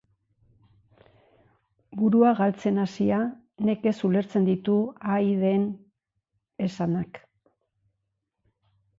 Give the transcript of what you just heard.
Bitartean, herritarrak jaioberriaren izena zein izango den jakiteko zain daude.